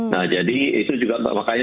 nah jadi itu juga makanya